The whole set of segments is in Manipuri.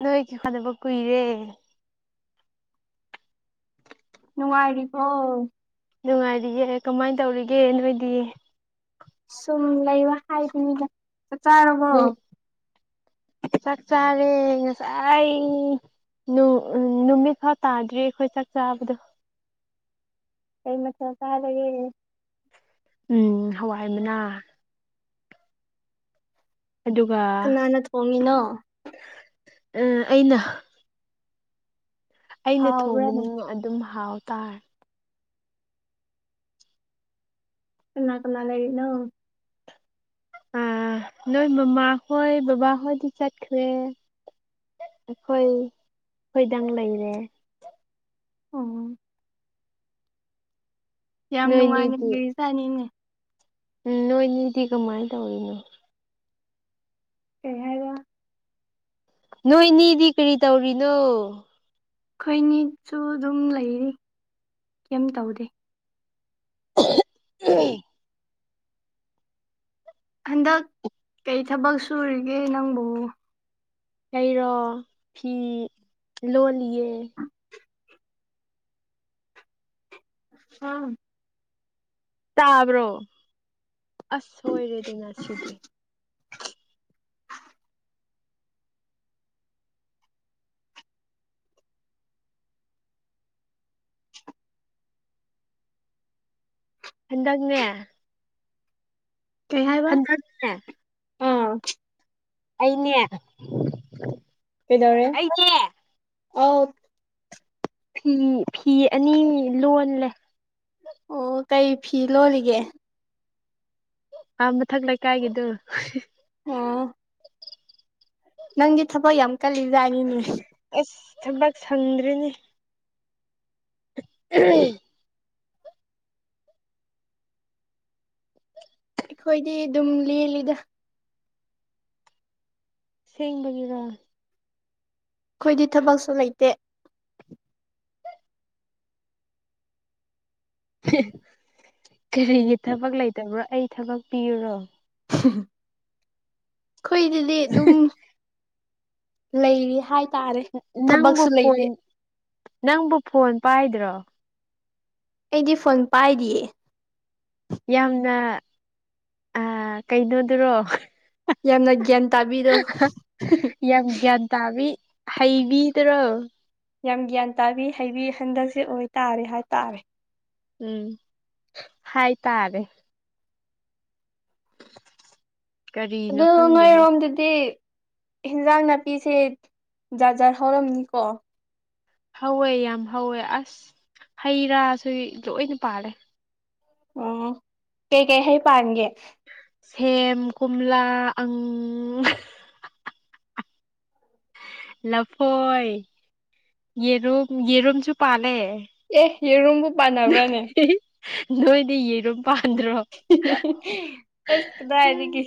ꯅꯣꯏ ꯀ ꯈꯗꯕ ꯀꯨꯏꯔꯦ ꯅꯨꯡꯉꯥꯏꯔꯤꯕ ꯄꯣ ꯅꯨꯡꯉꯥꯏꯔꯤꯌꯦꯦ ꯀꯃꯥꯏꯅ ꯇꯧꯔꯤꯒꯦ ꯅꯣꯏꯗꯤ ꯁꯨꯝ ꯂꯩꯕ ꯍꯥꯏꯗꯅꯤꯗ ꯆꯥꯛ ꯆꯥꯔꯕꯣ ꯆꯥꯛꯆꯥꯔꯦ ꯉꯁꯥꯏ ꯅꯨꯃꯤꯠ ꯐꯥꯎ ꯇꯥꯗ꯭ꯔꯤ ꯑꯩꯈꯣꯏ ꯆꯥꯛ ꯆꯥꯕꯗꯣ ꯀ ꯃ ꯀꯔꯒꯦ ꯎꯝ ꯍꯋꯥꯏ ꯃꯅꯥ ꯑꯗꯨꯒ ꯃꯅ ꯐꯉꯅꯣ ꯑꯩꯅ ꯑꯩꯅ ꯍꯥꯎꯕ꯭ꯔꯥꯅꯦ ꯊꯣꯡꯕꯅꯤꯅ ꯑꯗꯨꯝ ꯍꯥꯎ ꯇꯥꯔꯦ ꯀꯅꯥ ꯀꯅꯥ ꯂꯩꯔꯤꯅꯣ ꯑ ꯅꯣꯏ ꯃꯃꯥ ꯍ ꯕꯥꯥ ꯍ ꯇ ꯆꯠꯈꯋꯦ ꯑꯩꯈꯣꯏ ꯈꯣꯏꯗꯪ ꯂꯩꯔꯦ ꯑꯣꯝ ꯌꯥꯝ ꯅꯨꯡꯉꯥꯏꯅꯦ ꯅꯣꯏꯅꯤꯗꯤ ꯂꯩꯔꯤꯖꯥꯅꯤꯡꯅꯦ ꯎꯝ ꯅꯣꯏꯅꯤꯗꯤ ꯀꯃꯥꯏꯅ ꯇꯧꯔꯤꯅꯣ ꯀꯩ ꯍꯥꯏꯕ ꯅꯣꯏꯅꯤꯗꯤ ꯀꯔꯤ ꯇꯧꯔꯤꯅꯣ ꯑꯩꯈꯣꯏꯅꯤꯁꯨ ꯑꯗꯨꯝ ꯂꯩꯔꯤ ꯀꯩꯝ ꯇꯧꯗꯦ ꯎꯝ ꯍꯟꯗꯛ ꯀꯩ ꯊꯕꯛ ꯁꯨꯔꯤꯒꯦ ꯅꯪꯕꯨꯕꯨ ꯀꯩꯔꯣ ꯐꯤ ꯂꯣꯜꯂꯤꯑ ꯍ ꯇꯥꯕ꯭ꯔꯣ ꯑꯁ ꯁꯣꯏꯔꯦꯗꯅ ꯁꯤꯗꯤ ꯍꯗꯅꯦ ꯀꯩ ꯍꯥꯏꯕ ꯍꯟꯗꯔ ꯑꯥ ꯑꯩꯅꯦ ꯑꯩꯅꯦ ꯑꯐ ꯐꯤ ꯐꯤ ꯑꯅꯤ ꯂꯣꯜꯂꯦ ꯑꯣ ꯀꯩ ꯐꯤ ꯂꯣꯔꯤꯒꯦ ꯑ ꯃꯊꯛ ꯂꯩ ꯀꯥꯏꯒꯤꯗꯨ ꯑꯥ ꯅꯪꯒꯤ ꯊꯄ ꯌꯝ ꯀꯜꯗꯅꯤꯅꯦ ꯑꯁ ꯊꯕꯥꯛ ꯁꯪꯗ꯭ꯔꯤꯅꯦ ꯎꯝ ꯑꯩꯈꯣꯏꯗꯤ ꯑꯗꯨꯝ ꯂꯦꯜꯂꯤꯗ ꯁꯦꯡ ꯒꯦꯔꯥ ꯑꯩꯈꯣꯏꯗꯤ ꯊꯕꯛꯁꯨ ꯂꯩꯇꯦ ꯀꯔꯤꯒꯤ ꯊꯕꯛ ꯂꯩꯇꯕ꯭ꯔꯣ ꯑꯩ ꯊꯕꯛ ꯄꯤꯌꯨꯔꯣ ꯑꯩꯈꯣꯏꯗꯗꯤ ꯑꯗꯨꯝ ꯂꯩꯔꯤ ꯍꯥꯏꯇꯥꯔꯦ ꯅꯪꯕꯨ ꯊꯕꯛꯁꯨ ꯂꯩꯇꯦ ꯐꯣꯟ ꯅꯪꯕꯨ ꯐꯣꯟ ꯄꯥꯏꯗ꯭ꯔꯣ ꯑꯩꯗꯤ ꯐꯣꯟ ꯄꯥꯏꯔꯤꯌꯦ ꯌꯥꯝꯅ ꯑ ꯀꯩꯅꯣꯗꯨꯔꯣ ꯌꯥꯝꯅ ꯒ꯭ꯌꯥꯟ ꯇꯥꯕꯤꯗꯣ ꯌꯥꯝ ꯟ ꯇꯕꯤ ꯍꯩꯕꯤꯗꯔꯣ ꯌꯥꯝ ꯒ꯭ꯌꯥꯟ ꯇꯥꯕꯤ ꯍꯩꯕꯤ ꯍꯟꯗꯛꯁꯦ ꯑꯣꯏꯇꯥꯔꯦ ꯍꯥꯏꯇꯥꯔꯦ ꯎꯝ ꯍꯥꯏ ꯇꯥꯔꯦ ꯀꯔꯤꯅꯣ ꯑꯗꯨ ꯈꯪꯗꯦꯍꯦ ꯉꯣꯏꯔꯣꯝꯗꯗꯤ ꯏꯟꯖꯥꯡ ꯅꯥꯄꯤꯁꯦ ꯖꯥꯖꯔ ꯍꯧꯔꯝꯅꯤꯀꯣ ꯍꯧꯋꯦ ꯌꯥꯝ ꯍꯧꯋꯦ ꯑꯁ ꯍꯩ ꯔꯥꯁꯨ ꯂꯣꯏꯅ ꯄꯥꯜꯔꯦ ꯑꯣ ꯀꯩꯀꯩ ꯍꯩ ꯄꯥꯟꯒꯦ ꯁꯦꯝ ꯀꯝꯂ ꯑꯪ ꯂꯐꯣꯏ ꯌꯦꯔꯨꯝ ꯌꯦꯔꯨꯝꯁꯨ ꯄꯥꯜꯂꯦ ꯑꯦ ꯌꯦꯔꯨꯝꯕꯨ ꯄꯥꯟꯅꯕ꯭ꯔꯥꯅꯦ ꯅꯣꯏꯗꯤꯔꯣꯝ ꯐꯁ ꯀꯗꯥꯅꯤ ꯀ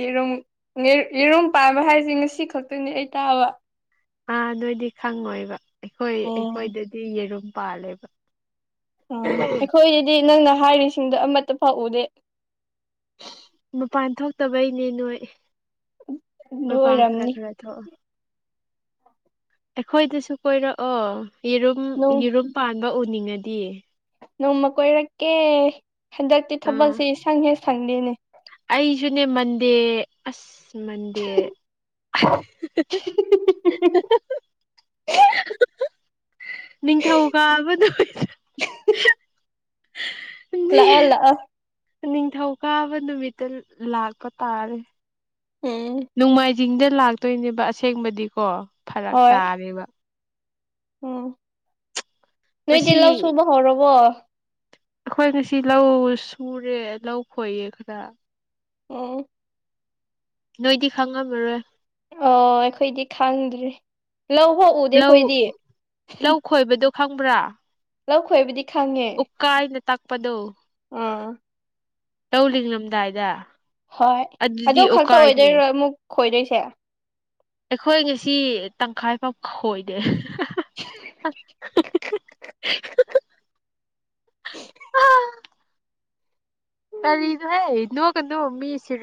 ꯌꯦꯔꯨꯝ ꯌꯦꯔꯨꯝ ꯄꯥꯟꯕ ꯍꯥꯏꯁꯦ ꯉꯁꯤ ꯈꯛꯇꯅꯤ ꯑꯩ ꯇꯥꯕ ꯑꯥ ꯑꯗꯨꯏꯗꯤ ꯈꯪꯉꯣꯏꯕ ꯑꯩꯈꯣꯏ ꯎꯝ ꯑꯩꯈꯣꯏꯗꯗꯤ ꯌꯦꯔꯨꯝ ꯄꯥꯜꯂꯦꯕ ꯎ ꯑꯩꯈꯣꯏꯗꯗꯤ ꯅꯪꯅ ꯍꯥꯏꯔꯤꯁꯤꯡꯗꯣ ꯑꯃꯠꯇ ꯐꯥꯎꯎꯗꯦ ꯃꯄꯥꯟ ꯊꯣꯛꯇꯕꯩꯅꯦ ꯅꯣꯏ ꯃ ꯑꯗꯨ ꯄꯥꯈꯔ ꯑꯣꯏꯔꯝꯅꯤ ꯈꯔ ꯊ ꯑꯩꯈꯣꯏꯗꯁꯨ ꯀꯣꯏꯔꯛꯑꯣ ꯌꯦꯔꯨꯝ ꯅꯣꯡ ꯌꯦꯔꯨꯝ ꯄꯥꯟꯕ ꯎꯅꯤꯡꯉꯗꯤ ꯅꯣꯡꯃ ꯀꯣꯏꯔꯛꯀꯦ ꯍꯟꯗꯛꯇꯤ ꯑꯥ ꯊꯕꯛꯁꯦ ꯏꯁꯪ ꯍꯦꯛ ꯁꯪꯗꯦꯅꯦ ꯑꯩꯁꯨꯅꯦ ꯃꯟꯗꯦ ꯑꯁ ꯃꯟꯗꯦ [unintelligible] ꯅꯤꯡꯊꯧ ꯀꯥꯕꯗ ꯂꯥꯛꯑꯣ ꯂꯥꯛꯑꯣ ꯅꯤꯡꯊꯧ ꯀꯥꯕ ꯅꯨꯃꯤꯠꯇ ꯂꯥꯛꯄ ꯇꯥꯔꯦ ꯎꯝ ꯅꯣꯡꯃꯥꯏꯖꯤꯡꯗ ꯂꯥꯛꯇꯣꯏꯅꯦꯕ ꯑꯁꯦꯡꯕꯗꯤꯀꯣ ꯐꯔꯛ ꯇꯥꯔꯦꯕ ꯎ ꯅꯣꯏꯗꯤꯤ ꯉꯁꯤ ꯂꯧ ꯁꯨꯕ ꯍꯧꯔꯕꯣ ꯑꯩꯈꯣꯏ ꯉꯁꯤ ꯂꯧ ꯁꯨꯔꯦ ꯂꯧ ꯈꯣꯏꯌꯦ ꯈꯔ ꯑꯣ ꯅꯣꯏꯗꯤ ꯈꯪꯉꯝꯃꯔꯣꯏ ꯑꯣ ꯑꯩꯈꯣꯏꯗꯤ ꯈꯪꯗ꯭ꯔꯦ ꯂꯧ ꯍꯎꯗꯦ ꯂꯧ ꯑꯩꯈꯣꯏꯗꯤ ꯂꯧ ꯈꯣꯏꯕꯗꯣ ꯈꯪꯕ꯭ꯔꯥ ꯂꯧꯈꯣꯏꯕꯨꯗꯤ ꯎꯛꯀꯥꯏꯅ ꯇꯥꯛꯄꯗꯣ ꯑꯥ ꯇꯧ ꯂꯤꯡꯡꯂꯝꯗꯥꯏꯗ ꯍꯣꯏ ꯑꯗꯨ ꯈꯛꯇ ꯑꯣꯏꯗꯣꯏꯔꯣ ꯑꯃꯨꯛ ꯈꯣꯏꯗꯣꯏꯁꯦ ꯑꯩꯈꯣꯏ ꯉꯁꯤ ꯇꯪꯈꯥꯏ ꯄꯥꯎ ꯈꯣꯏꯗꯦ [unintelligible] ꯀꯔꯤꯗꯨ ꯍꯦ ꯅ ꯀꯅꯣ ꯃꯤ ꯁꯤ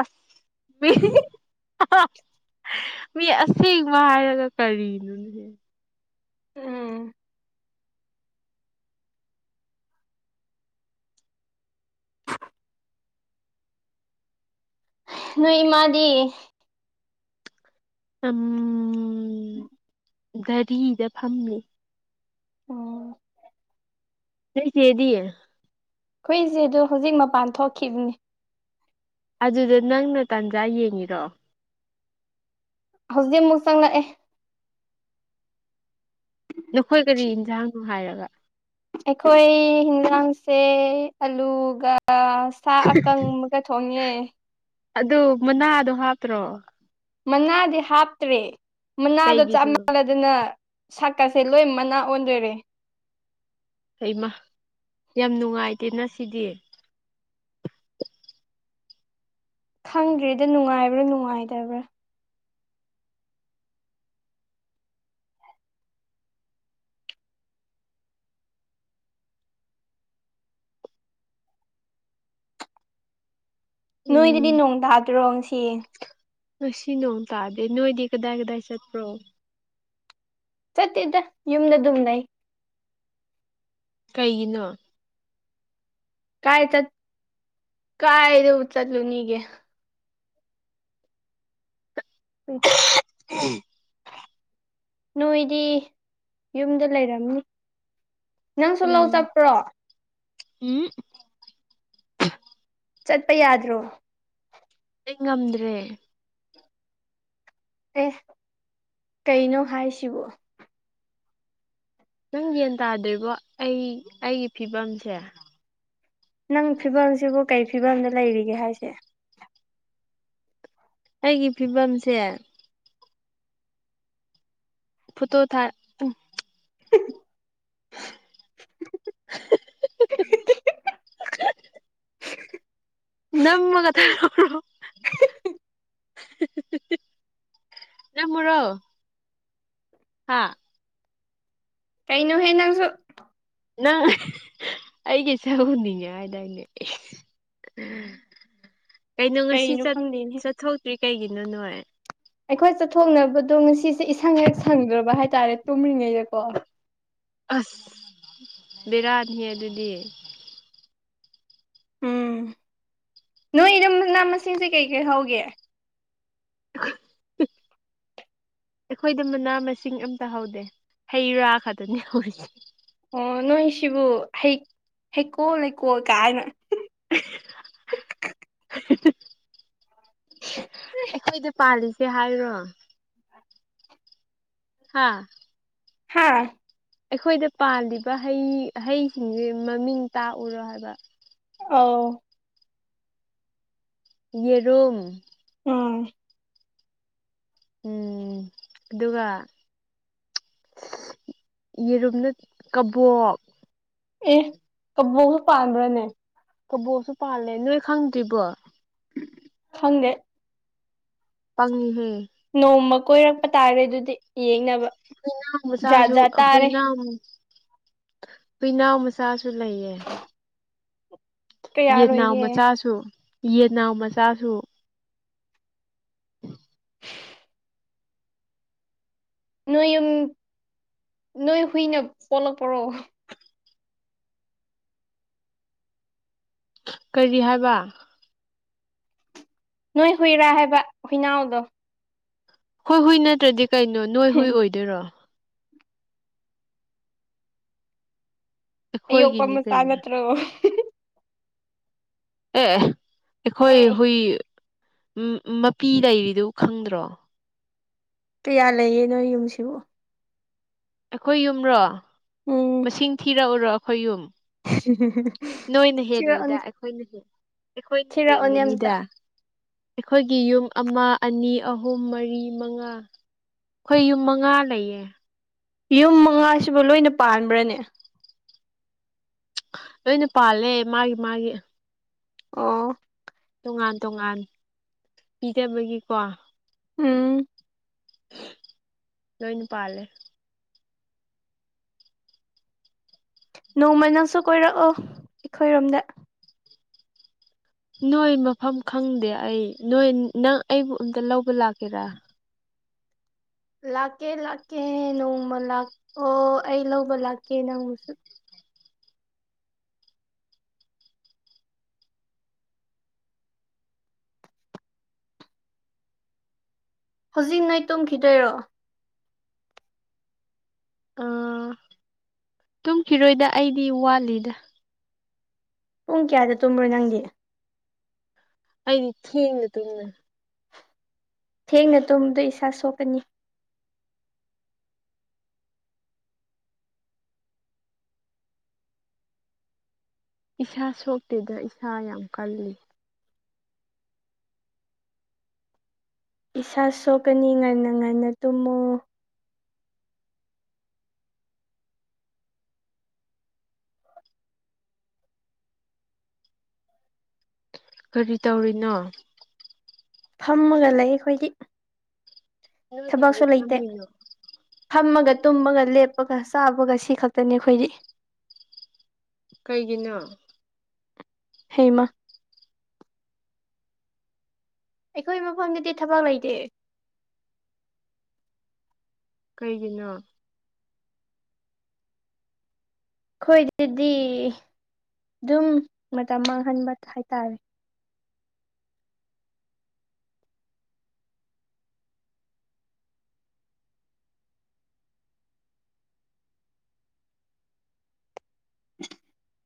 ꯑꯁ ꯃꯤ ꯃꯤ ꯑꯁꯦꯡꯕ ꯍꯥꯏꯔꯒ ꯀꯔꯤꯅꯣꯍ ꯎꯝ ꯅꯣꯏ ꯏꯃꯗꯤ ꯎꯝ ꯒꯥꯔꯤꯗ ꯐꯝꯃꯤ ꯎꯝ ꯁꯤꯦꯗꯤꯌꯦ ꯍꯨꯏꯁꯦ ꯑꯗꯨꯣ ꯍꯧꯖꯤꯛ ꯃꯄꯥꯟ ꯊꯣꯛꯈꯤꯕꯈꯤꯕꯅꯤ ꯑꯗꯨꯗ ꯅꯪꯅ ꯇꯥꯟꯖꯥ ꯌꯦꯡꯉꯤꯔꯛꯑꯣ ꯍꯧꯖꯤꯛ ꯑꯃꯨꯛ ꯆꯪꯪꯂꯛꯑꯦ ꯅꯈꯣꯏ ꯀꯔꯤ ꯌꯦꯟꯁꯥꯡꯅꯣ ꯍꯥꯏꯔꯒ ꯑꯩꯈꯣꯏ ꯌꯦꯤꯟꯖꯥꯡꯁꯦ ꯑꯂꯨꯒ ꯁꯥ ꯑꯀꯪ ꯑꯃꯒ ꯊꯣꯡꯉꯦ ꯑꯗꯨ ꯃꯅꯥꯗꯣ ꯍꯥꯞꯄ꯭ꯔꯣ ꯃꯅꯥꯗꯤ ꯍꯥꯞꯇ꯭ꯔꯦ ꯃꯅꯥꯗꯣ ꯆꯞ ꯀꯩꯒꯤꯅꯣ ꯃꯥꯟꯜꯂꯗꯅ ꯁꯛꯀꯁꯦ ꯂꯣꯏ ꯃꯅꯥ ꯑꯣꯟꯗꯔꯦ ꯍꯩꯃ ꯌꯥꯝ ꯅꯨꯡꯉꯥꯏꯇꯦꯅ ꯁꯤꯗꯤ ꯈꯪꯗ꯭ꯔꯤꯗ ꯅꯨꯡꯉꯥꯏꯕ꯭ꯔꯥ ꯅꯨꯡꯉꯥꯏꯇꯕ꯭ꯔꯥ ꯅꯣꯏꯗꯗꯤ ꯎꯝ ꯅꯣꯡ ꯇꯥꯗ꯭ꯔꯣ ꯁꯤ ꯉꯁꯤ ꯅꯣꯡ ꯇꯥꯗꯦ ꯅꯣꯏꯗꯤ ꯀꯗꯥꯏ ꯀꯗꯥꯏ ꯆꯠꯄ꯭ꯔꯣ ꯆꯠꯇꯦꯗ ꯌꯨꯝꯗ ꯑꯗꯨꯝ ꯂꯩ ꯀꯩꯒꯤꯅꯣ ꯀꯥꯏ ꯆꯠ ꯀꯥꯏꯗ ꯆꯠꯂꯨꯅꯤꯒꯦ ꯄꯦꯗꯤ ꯎꯝ ꯅꯣꯏꯗꯤ ꯌꯨꯝꯗ ꯂꯩꯔꯝꯅꯤ ꯅꯪ ꯁꯣꯂꯥꯎ ꯎꯝ ꯆꯠꯄ꯭ꯔꯣ ꯎꯝ ꯆꯠꯄ ꯌꯥꯗ꯭ꯔꯣ ꯑꯩ ꯉꯝꯗ꯭ꯔꯦ ꯑꯦ ꯀꯩꯅꯣ ꯍꯥꯏꯁꯤꯕ ꯅꯪ ꯌꯦꯒꯟ ꯇꯥꯗꯣꯔꯤꯕꯣ ꯑꯩ ꯑꯩꯒꯤ ꯐꯤꯕꯝꯁꯦ ꯅꯪ ꯐꯤꯕꯝꯁꯤꯕꯨ ꯀꯔꯤ ꯐꯤꯕꯝꯗ ꯂꯩꯔꯤꯒꯦ ꯍꯥꯏꯁꯦ ꯑꯩꯒꯤ ꯐꯤꯕꯝꯁꯦ ꯐꯇꯣ ꯊꯥ [inaudible] ꯅꯝꯃꯒ ꯊꯔꯣ ꯅꯝꯃꯣꯔꯣ ꯍꯥꯥ ꯀꯩꯅꯩꯅꯣ ꯍꯦ ꯅꯪꯁꯨ ꯅꯪ ꯑꯩꯒꯤ ꯆꯎꯅꯤꯡꯉꯦ ꯍꯥꯏꯗꯥꯏꯅꯦ ꯀꯩꯅꯣ ꯉꯁꯤ ꯆꯠꯊꯣꯛꯇ꯭ꯔꯤ ꯀꯩꯒꯤꯅꯣ ꯅꯣ ꯑꯩꯈꯣꯏ ꯆꯠꯊꯣꯛꯅꯕꯗꯣ ꯉꯁꯤꯁꯦ ꯏꯁꯪ ꯍꯦꯛ ꯁꯪꯗ꯭ꯔꯕ ꯍꯥꯏꯇꯥꯔꯦ ꯇꯨꯝꯔꯤꯉꯩꯗꯀꯣ ꯑꯁ ꯕꯤꯔꯅꯤꯍꯦ ꯑꯗꯨꯗꯤ ꯎꯝ ꯅꯣꯏ ꯏꯔꯝꯅꯥ ꯃꯁꯤꯡꯁꯦ ꯀꯩꯀꯩ ꯍꯧꯒꯦ [inaudible] ꯑꯩꯈꯣꯏꯗ ꯃꯅꯥ ꯃꯁꯤꯡ ꯑꯝꯇ ꯍꯧꯗꯦ ꯍꯩ ꯔꯥ ꯈꯛꯇꯅꯦ ꯍꯧꯔꯤꯁꯦ ꯑꯣ ꯅꯣꯏ ꯁꯤꯕꯨ ꯍꯩ ꯍꯩꯀꯣꯜ ꯂꯩꯀꯣꯜ ꯀꯥꯏꯅ [unintelligible] [inaudible] ꯑꯩꯈꯣꯏꯗ ꯄꯥꯜꯂꯤꯁꯦ ꯍꯥꯏꯔꯣ ꯍꯥꯥ ꯍꯥꯥ ꯑꯩꯈꯣꯏꯗ ꯄꯥꯜꯂꯤꯕ ꯍꯩ ꯍꯩꯁꯤꯡꯁꯦ ꯃꯃꯤꯡ ꯇꯥꯛꯎꯔꯣ ꯍꯥꯏꯕ ꯑꯧ ꯌꯦꯔꯨꯝ ꯑꯥ ꯎꯝ ꯑꯗꯨꯒ ꯌꯦꯔꯨꯝꯅ ꯀꯕꯣꯛ ꯑꯦ ꯀꯕꯣꯛꯁꯨ ꯄꯥꯟꯕ꯭ꯔꯅꯦ ꯀꯕꯣꯁꯨ ꯄꯥꯜꯂꯦ ꯅꯣꯏ ꯈꯪꯗ꯭ꯔꯤꯕꯣ ꯗꯦ ꯄꯪꯅꯤ ꯍꯦ ꯅꯣꯡꯃ ꯀꯣꯏꯔꯛꯄ ꯇꯥꯔꯦ ꯑꯗꯨꯗꯤ ꯌꯦꯡꯅꯕ ꯍꯨꯏꯅ ꯖꯥꯠ ꯆꯥꯁꯨ ꯖꯥꯠ ꯇꯥꯔꯦ ꯍꯨꯏꯅꯝ ꯄꯤꯅꯥꯎ ꯃꯆꯥꯁꯨ ꯂꯩꯌꯦ ꯌꯦꯟꯅꯥꯎ ꯀꯌꯥꯔꯣꯏꯒꯦ ꯃꯆꯥꯁꯨ ꯌꯦꯟꯅꯥꯎ ꯃꯆꯥꯁꯨ ꯅꯣꯏ ꯎ ꯅꯣꯏ ꯍꯨꯏꯅ ꯄꯣꯂꯛ ꯄꯔꯣ ꯀꯔꯤ ꯍꯥꯏꯕ ꯅꯣꯏ ꯍꯨꯏꯔꯥ ꯍꯥꯏꯕ ꯍꯨꯏꯅꯥꯎꯗꯣ ꯍꯣꯏ ꯍꯨꯏ ꯅꯠꯇ꯭ꯔꯗꯤ ꯀꯩꯅꯣ ꯅꯣꯏ ꯍꯨꯏ ꯑꯣꯏꯗꯣꯏꯔꯣ ꯑꯣꯄ ꯑꯩꯈꯣꯏꯒꯤꯅꯤ ꯀꯩꯅꯣ ꯃꯁꯥꯠꯇ꯭ꯔꯣ ꯑꯦ ꯑꯩꯈꯣꯏ ꯑꯦ ꯍꯨꯏ ꯎ ꯃꯄꯤ ꯂꯩꯔꯤꯗꯨ ꯈꯪꯗ꯭ꯔꯣ ꯀꯌꯥ ꯂꯩꯌꯦ ꯅꯣꯏ ꯌꯨꯝꯁꯤꯕꯨ ꯑꯩꯈꯣꯏ ꯌꯨꯝꯔꯣ ꯎꯝ ꯃꯁꯤꯡ ꯊꯤꯔꯛꯎꯔꯣ ꯑꯩꯈꯣꯏ ꯌꯨꯝ ꯅꯣꯏꯅ ꯍꯦꯜꯂꯣꯏꯗ ꯊꯤꯔꯛꯑꯣꯅꯦ ꯑꯩꯈꯣꯏꯅ ꯍꯦꯜꯂ ꯑꯩꯈꯣꯏꯅ ꯊꯤꯔꯛꯑꯣꯅꯦ ꯑꯝꯇ ꯍꯦꯟꯒꯅꯤꯗ ꯑꯩꯈꯣꯏꯒꯤ ꯌꯨꯝ ꯑꯃ ꯑꯅꯤ ꯑꯍꯨꯝ ꯃꯔꯤ ꯃꯉꯥ ꯑꯩꯈꯣꯏ ꯌꯨꯝ ꯃꯉꯥ ꯂꯩꯌꯦ ꯌꯨꯝ ꯃꯉꯥꯁꯤꯕꯨ ꯂꯣꯏꯅ ꯄꯥꯟꯕ꯭ꯔꯅꯦ ꯂꯣꯏꯅ ꯄꯥꯜꯂꯦ ꯃꯥꯒꯤ ꯃꯥꯒꯤ ꯑꯣ ꯇꯣꯉꯥꯟ ꯇꯣꯉꯥꯟ ꯄꯤꯗꯕꯒꯤꯀꯣ ꯎꯝ ꯂꯣꯏꯅꯄꯥꯂꯦ ꯅꯣꯡꯃ ꯅꯪꯁꯨ ꯀꯣꯏꯔꯛꯑꯣ ꯑꯩꯈꯣꯏꯔꯣꯝꯗ ꯅꯣꯏ ꯃꯐꯝ ꯈꯪꯗꯦ ꯑꯩ ꯅꯣꯏ ꯅꯪ ꯑꯩꯕꯨ ꯑꯝꯇ ꯂꯧꯕ ꯂꯥꯛꯀꯦꯔꯥ ꯂꯥꯛꯀꯦ ꯂꯥꯛꯀꯦ ꯅꯣꯡꯃ ꯂꯥꯛ ꯑꯣ ꯑꯩ ꯂꯧꯕ ꯂꯥꯛꯀꯦ ꯅꯪꯃꯁꯨ ꯍꯧꯖꯤꯛ ꯅꯣꯏ ꯇꯨꯝꯈꯤꯗꯣꯏꯔꯣ ꯑꯥ ꯇꯨꯝꯈꯤꯔꯣꯏꯗ ꯑꯩꯗꯤ ꯋꯥꯠꯂꯤꯗ ꯄꯨꯡ ꯀꯌꯥꯗ ꯇꯨꯝꯕ꯭ꯔꯣ ꯅꯪꯗꯤ ꯑꯩꯗꯤ ꯊꯦꯡꯅꯦ ꯇꯨꯝꯃꯦ ꯊꯦꯡꯅ ꯇꯨꯝꯕꯗꯣ ꯏꯁꯥ ꯁꯣꯛꯀꯅꯤ ꯏꯁꯥ ꯁꯣꯛꯇꯦꯗ ꯏꯁꯥ ꯌꯥꯝ ꯀꯜꯂꯤ ꯏꯁꯥ ꯁꯣꯛꯀꯅꯤ ꯉꯟꯅ ꯉꯟꯅ ꯇꯨꯝꯃꯨ ꯀꯔꯤ ꯇꯧꯔꯤꯅꯣ ꯐꯝꯃꯒ ꯂꯩ ꯑꯩꯈꯣꯏꯒꯤ ꯅꯣꯏ ꯀꯩꯒꯤ ꯊꯕꯛꯁꯨ ꯂꯩꯇꯦ ꯐꯝꯃꯤꯅꯣ ꯐꯝꯃꯒ ꯇꯨꯝꯃꯒ ꯂꯦꯞꯄꯒ ꯆꯥꯕꯒ ꯁꯤ ꯈꯛꯇꯅꯤ ꯑꯩꯈꯣꯏꯒꯤ ꯀꯩꯒꯤꯅꯣ ꯍꯦꯃ ꯑꯩꯈꯣꯏ ꯃꯐꯝꯗꯗꯤ ꯊꯕꯛ ꯂꯩꯇꯦ ꯀꯩꯒꯤꯅꯣ ꯑꯩꯈꯣꯏꯗꯗꯤ ꯑꯗꯨꯝ ꯃꯇꯝ ꯃꯥꯡꯍꯟꯕ ꯍꯥꯏꯇꯥꯔꯦ [unintelligible]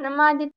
ꯔꯃꯥꯗꯤ